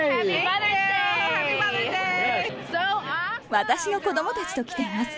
私の子どもたちと来ています。